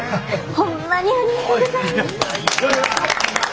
ホンマにありがとうございます！